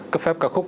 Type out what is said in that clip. cấp phép ca khúc